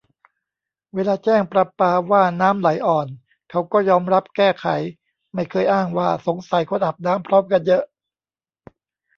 เวลาแจ้งประปาว่าน้ำไหลอ่อน เขาก็ยอมรับแก้ไข ไม่เคยอ้างว่า 'สงสัยคนอาบน้ำพร้อมกันเยอะ'